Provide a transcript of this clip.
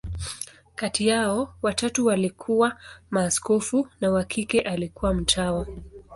Kati yao, watatu walikuwa maaskofu, na wa kike alikuwa mtawa.